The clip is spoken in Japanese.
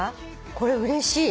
これうれしい。